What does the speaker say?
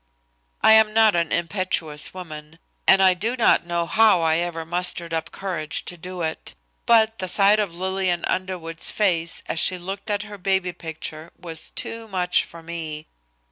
I am not an impetuous woman, and I do not know how I ever mustered up courage to do it. But the sight of Lillian Underwood's face as she looked at her baby's picture was too much for me.